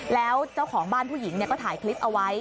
แล้วเจ้าของบ้านผู้หญิงก็ถ่ายคลิปเอาไว้